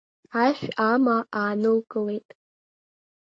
Ашә амаа аанылкылеит.